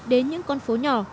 đến những con phố nhỏ